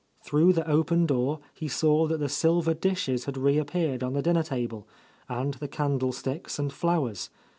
Through the open door he saw that the silver dishes had reappeared on the dinner table, and the candlesticks and flowers.